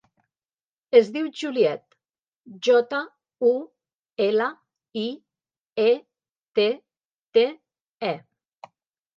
Es diu Juliette: jota, u, ela, i, e, te, te, e.